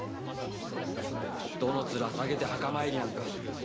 どの面下げて墓参りなんか。